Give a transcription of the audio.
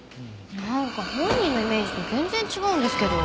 なんか本人のイメージと全然違うんですけど。